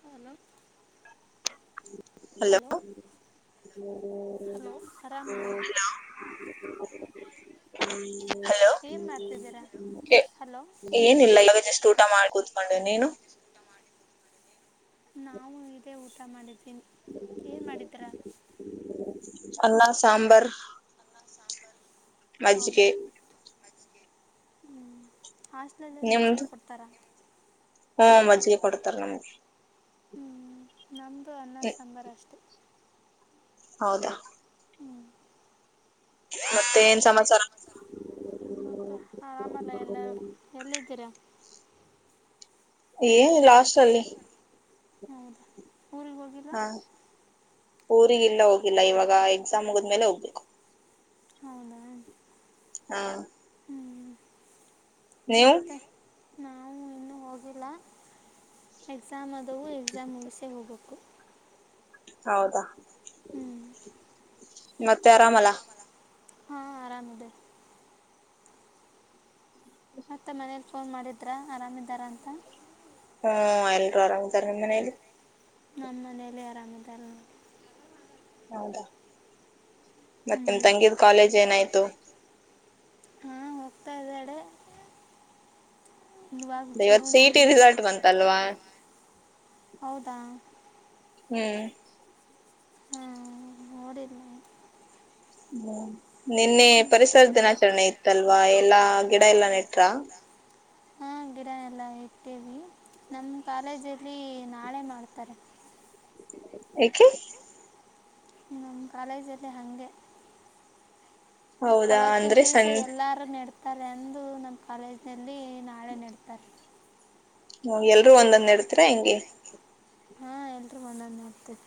Hello hello ಹ hello [unintelligible] ಏನ್ ಮಾಡ್ತ ಓಕೆ ಏನಿಲ್ಲ ಇವಾಗ ಜಷ್ಟು ಊಟ ಮಾಡ ಕುತ್ಕೊಂಡೀ ನೀವು ಊಟ ಮಾಡಿ ಕುಂತ್ಕೊಂಡಿದೀವಿ ನಾವು ಇದೇ ಊಟ ಮಾಡಿದ್ದೀನಿ ಏನ್ ಮಾಡಿದ್ರ ಅನ್ನ ಸಾಂಬರ್ ಹೌದಾ ಹ್ಮ್ ಹಾಸ್ಲಲ್ಲಿ ಮಜ್ಜಿಗೆ ಕೊಡ್ತಾರಾ ಹ್ಮ ಮಜ್ಜಿಗೆ ಕೊಡ್ತಾರೆ ನಮ್ಗೆ ಹ್ಮಞ ನಮ್ಮದು ಅನ್ನ ಸಾಂಬಾರ ಅಷ್ಟೆ ಹೌದಾ ಮತ್ತೆ ಏನ್ ಸಮಾಚಾರ ಮತ್ತೆ ಆರಾಮಲ್ಲ ಎಲ್ಲ ಎಲ್ಲಿದ್ದೀರಾ ಏನಿಲ್ಲ ಹೌದಾ ಊರ್ಗ್ ಹೋಗಿ ಹಾ ಊರಿಗೆಲ್ಲ ಹೋಗಿಲ್ಲ ಇವಾಗ ಎಕ್ಸಾಮ್ ಮುಗುದ್ಮೇಲೆ ಹೋಗ್ಬೇಕು ಹೌದಾ ಹಾ ನೀವು ನಾವು ಇನ್ನೂ ಹೋಗಿಲ್ಲ ಎಕ್ಸಾಮ್ ಅದವು ಎಕ್ಸಾಮ್ ಮುಗಿಸೇ ಹೋಗ್ಬೇಕು ಹೌದಾ ಮತ್ತೆ ಅರಾಮಲ್ಲ ಹಾಂ ಆರಾಮ ಇದೀವಿ ಮತ್ತೆ ಮನೇಲಿ ಫೋನ್ ಮಾಡಿದ್ರಾ ಆರಾಮಿದ್ದಾರ ಅಂತ ಹ್ಮ ಎಲ್ರು ಆರಾಮಿದಾರೆ ನಿಮ್ಮ್ ಮನೇಲಿ ನಮ್ಮ ಮನೇಲಿ ಆರಾಮಿದಾರ ಹೌದಾ ಮತ್ತೆ ನಿಮ ತಂಗಿದ ನಿಮ್ಮ ಕಾಲೇಜು ಏನಾಯ್ತು ಹಾ ಹೋಗ್ತಾ ಇದ್ದ ಅಡೆ ಇವಾಗ ಜೂನ್ ಹೌದಾ ಹ್ಮ್ ನೋಡಿನಿ ಹ್ಮ್ ನಿನ್ನೆ ಪರಿಸರ ದಿನಾಚರಣೆ ಇತ್ತಲ್ವಾ ಎಲ್ಲಾ ಗಿಡ ಎಲ್ಲಾ ನೆಟ್ರ ಹಾ ಗಿಡಾನ ಎಲ್ಲ ಇಟ್ಟೇವಿ ನಮ್ ಕಾಲೇಜಲ್ಲಿ ನಾಳೆ ಮಾಡ್ತಾರೆ ಏಕೆ ನಮ್ಮ ಕಾಲೇಜ್ದೆ ಹಂಗೆ ಅವತ್ತ ದಿವ್ಸ ಎಲ್ಲಾರ ನೆಡ್ತಾರೆ ಅಂದು ನಮ್ಮ ಕಾಲೇಜ್ ನಲ್ಲಿ ನಾಳೆ ನೆಡ್ತಾರೆ ಹ ಎಲ್ರರು ಒಂದಂದ್ ಇಡ್ತೀರಾ ಹೆಂಗೆ ಹಾ ಎಲ್ರೂ ಒಂದೊಂದು ನೆಡ್ತಿವಿ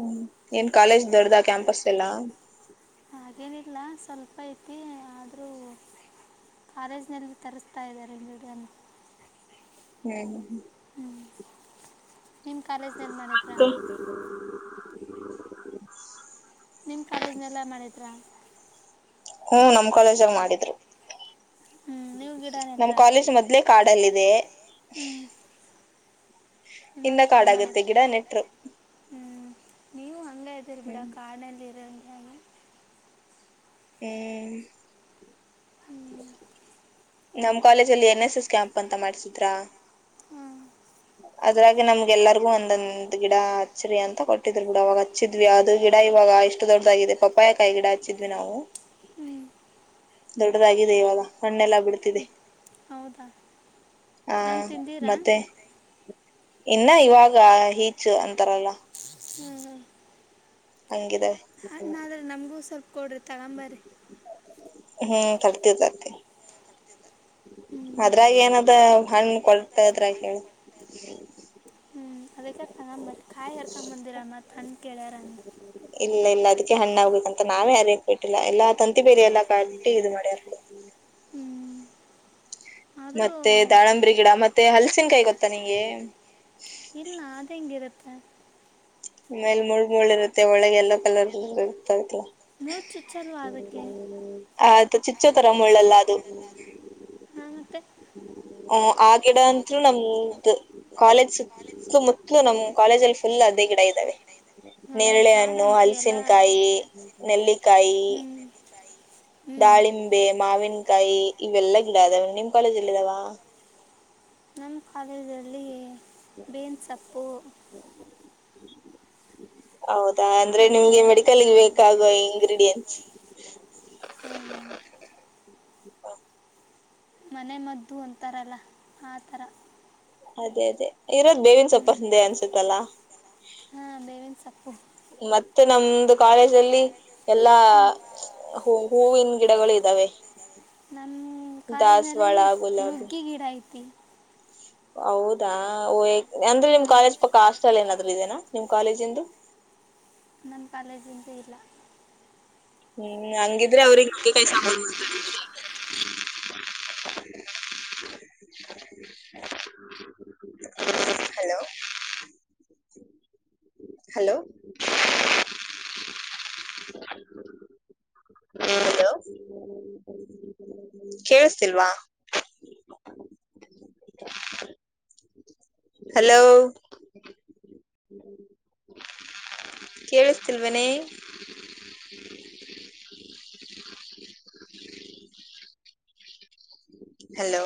ಹ್ಮ್ ಏನ್ ಕಾ ಕಾಲೇಜ್ ದೊಡ್ಡಾ ಕ್ಯಾಂಪಸ್ ಎಲ್ಲ ಹಾಗೇನಿಲ್ಲ ಸ್ವಲ್ಪ ಐತಿ ಆದ್ರೂ ಕಾಲೇಜ್ನಲ್ಲಿ ತರಿಸ್ತಾ ಇದಾರೆ ಎಲ್ಲಿಡನ್ನು ಹ್ಮ್ ಹ್ಮ್ ಹ್ಮ್ ಹ್ಮ್ ನಿಮ್ ಕಾಲೇಜ್ನಲ್ ಮಾಡಿದ್ರಾ [unintelligible] ನಿಮ್ಮ ಕಾಲೇಜ್ನೆಲ್ಲ ಮಾಡಿದ್ರಾ ಹ್ಮ್ ನಮ್ ಕಾಲೇಜಾಗ ಮಾಡಿದ್ರು [unintelligible] ಹ್ಮ್ ನೀವ್ ಗಿಡಾನ ನೆಟ್ರ ಹ್ಮ್ ಹಿಂದ ಕಾಡ ಆಗುತ್ತೆ ಗಿಡ ನೆಟ್ರು ಹ್ಮ್ ನೀವು ಹಂಗ ಇದ್ದಿರಿ ಬಿಡ ಕಾಡ್ನಲ್ಲಿ ಇರೋ ಹ್ಮ್ ನಮ್ಮ ಕಾಲೇಜಲ್ಲಿ ಎನ್ಎಸ್ಎಸ್ ಕ್ಯಾಂಪ್ ಅಂತ ಮಾಡಿಸಿದ್ರಾ. ಅದ್ರಾಗ ನಮ್ಗೆ ಎಲ್ಲರಿಗು ಒಂದೊಂದ್ ಗಿಡ ಅಚ್ಚರಿ ಅಂತ ಕೊಟ್ಟಿದ್ರು ಬಿಡ ಅವಾಗ. ಹಚ್ಚಿದ್ವಿ ಅದು ಗಿಡ ಇವಾಗ ಎಷ್ಟು ದೊಡ್ಡಾಗಿದೆ ಪಪ್ಪಾಯಕಾಯಿ ಗಿಡ ಹಚ್ಚಿದ್ವಿ ನಾವು. ಹ್ಮ್. ದೊಡ್ಡದಾಗಿದೆ ಇವಾಗ ಹಣ್ಣೆಲ್ಲ ಬಿಡ್ತಿದೆ. ಹ ಮತ್ತೆ ಇನ್ನ ಇವಾಗ ಈಚ್ ಅಂತಾರಲ್ಲ. ಹ್ಮ್ ಹ್ಮ್ ಹಣ್ಣಾದ್ರ ನಮ್ಗೂ ಸ್ವಲ್ಪ ಕೊಡ್ರಿ ತಗಂಬರಿ. ಹ್ಮ್ ತರ್ತೀವಿ ತರ್ತೀವಿ. ಹ್ಮ್. ಅದ್ರಾಗ ಏನದ ಹಣ್ಣ ಕೊಳತ್ತಿದ್ರಾ ಹೇಳ. ಹ್ಞೂ ಅದಕ್ಕೆ ತಗ ಬಟ್ ಕಾಯಿ ಹರ್ಕೊಂಡ್ ಬಂದಿರ ಮತ್ ಹಣ್ ಕೇಳ್ಯಾರ ಅಂತ. ಇಲ್ಲ ಇಲ್ಲ ಅದಕ್ಕೆ ಹಣ್ಣಾಗಗ್ಬೇಕು ಅಂತ ನಾವೇ ಅರಿಕ್ ಬಿಟ್ಟಿಲ್ಲ ಎಲ್ಲಾ ತಂತಿ ಬೇರೆ ಎಲ್ಲ ಕಟ್ಟಿ ಇದು ಮಾಡ್ಯಾರ. ಹ್ಮ್. ಆದ್ರೂ ಮತ್ತೆ ದಾಳಂಬ್ರಿ ಗಿಡ ಮತ್ತೆ ಹಲಸನ್ಕಾಯಿ ಗೊತ್ತಾ ನಿಮಗೆ. ಇಲ್ಲ ಅದ ಹೆಂಗಿರುತ್ತೆ. ಆಮೇಲೆ ಮುಳ್ ಮುಳು ಇರುತ್ತೆ ಒಳಗ್ ಎಲ್ಲೋ ಕಲರ್ ಇರ್ತತ್ಲಾ. ಮುಳ್ಳ ಚುಚ್ಚಲ್ವಾ ಅದಕ್ಕೆ. ಅದ ಚಿಚ್ಚೋ ತರ ಮುಳ್ಳಲ್ಲ. ಮುಳ್ಳಲ್ಲಾ ಅದು ಹಾ ಮತ್ತೆ. ಹು ಆದ್ ಗಿಡ ಅಂತೂ ನಮ್ದ ಕಾಲೇಜ್ ಸುತ್ತ ಮುತ್ಲು ನಮ್ ಕಾಲೇಜ ಅಲ್ಲಿ ಫುಲ್ ಅದೇ ಗಿಡ ಇದ್ದಾವೆ. ನೇರಳೆಹಣ್ಣು ಹಲ್ಸನ್ ಕಾಯಿ ನೆಲ್ಲಿಕಾಯಿ. ದಾಳಿಂಬೆ ಮಾವಿನ್ ಕಾಯಿ ಇವೆಲ್ಲಾ ಗಿಡ ಅದವೆ ನಿಮ್ ಕಾಲೇಜಲ್ಲ ಇದಾವ. ನಮ್ಮ ಕಾಲೇಜಲ್ಲಿ ಬೇನ್ ಸಪ್ಪು. ಹೌದಾ. ಮತ್ತೆ ಹಾ [inaudible] ಹಾ [inaudible] ಹಾ ಮನೆ ಮದ್ದು ಅಂತಾರಲ್ಲ ಆ ಥರ. ಅದೇ ಅದೇ ಏನೋ ಬೇವಿನ್ ಸೊಪ್ಪಂದೆ ಅನ್ಸತ್ತಲ್ಲ. ಮತ್ತೆ ನಮ್ದು ಕಾಲೇಜಲ್ಲಿ ಎಲ್ಲಾ ಹು ಹೂವಿನ ಗಿಡಗಳು ಇದ್ದಾವೆ. ನಮ್ಮ ಕಾಲೇಜ್ನಲ್ಲಿ ನುಗ್ಗಿ ಗಿಡ ಐತಿ. ಹೌದಾ ಓ ಅಂದ್ರೆ ನಿಮ್ ಕಾಲೇಜ್ ಪಕ್ಕ ಹಾಸ್ಟೆಲ್ ಏನಾದ್ರು ಇದೇನಾ ನಿಮ್ ಕಾಲೇಜಿಂದು. ನನ್ ಕಾಲೇಜ ಇಂದು ಇರ್ಲಾ. ಹ್ಮ್ ಹಂಗಿದ್ರೆ ಅವ್ರಿಗೆ ಕಾಯಿ ಸಾಂಬಾರ [inaudible] [inaudible] ಹಲೋ. ಹಲೋ. ಹ ಹಲೋ. ಕೇಳಸ್ತಿಲ್ವಾ. ಹಲೋ. ಕೇಳಿಸತಿಲ್ವನೇ ಹಲೋ